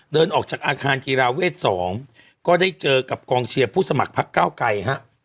เดินออกจากอาคารกีฬาเวท๒ก็ได้เจอกับกองเชียร์ผู้สมัครพักเก้าไกรฮะ